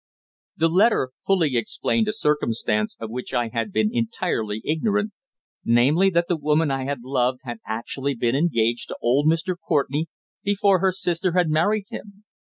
The letter fully explained a circumstance of which I had been entirely ignorant, namely, that the woman I had loved had actually been engaged to old Mr. Courtenay before her sister had married him.